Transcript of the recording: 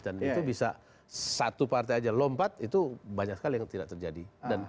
dan itu bisa satu partai aja lompat itu banyak sekali yang tidak terjadi